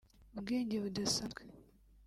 ubwenge budasanzwe